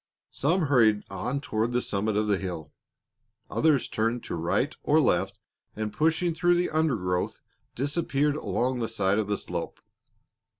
Some hurried on toward the summit of the hill; others turned to right or left and, pushing through the undergrowth, disappeared along the side of the slope.